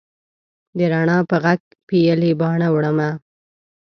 د رڼا په ږغ پیلې باڼه وړمه